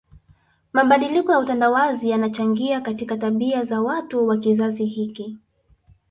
Mabadiliko ya utandawazi yanachangia katika tabia za watu wa kizazi hiki